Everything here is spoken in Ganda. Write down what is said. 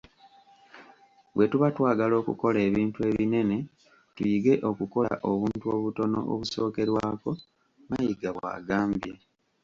"Bwetuba twagala okukola ebintu ebinene tuyige okukola obuntu obutono obusookerwako,” Mayiga bwagambye.